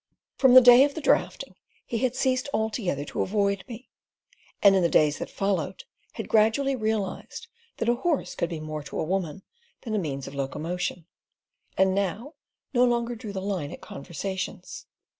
From the day of the draughting he had ceased altogether to avoid me, and in the days that followed had gradually realised that a horse could be more to a woman than a means of locomotion; and now no longer drew the line at conversations.